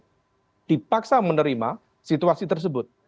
maka pdip akan terpaksa menerima situasi tersebut